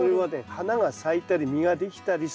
花が咲いたり実ができたりする。